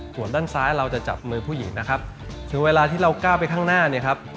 ส่วนด้านซ้ายเราจะจับมือผู้หญิงนะครับถึงเวลาที่เราก้าวไปข้างหน้าเนี่ยครับ